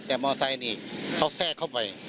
แต่มอไซค์นี่เขาแทรกเข้าไป